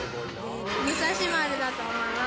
武蔵丸だと思います。